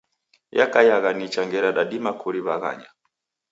Yakaiagha nicha ngera dadima kuriw'aghanya.